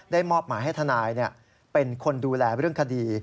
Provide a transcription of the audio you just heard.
มอบหมายให้ทนายเป็นคนดูแลเรื่องคดี